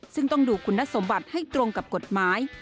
ซึ่งต้องดูคุณสมบัติให้ตรงกับกฎหมาย